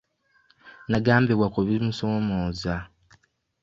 Nagambibwa ku bimusoomooza.